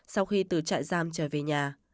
sau khi từ chạy giam trở về nhà